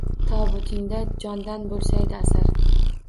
Tobutingda jondan bo’lsaydi asar